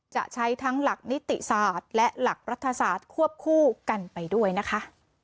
จะใช้ทั้งหลักนิติศาสตร์และหลักรัฐศาสตร์ควบคู่กันไปด้วยนะคะ